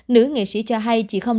nữ nghệ sĩ cho hay